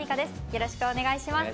よろしくお願いします。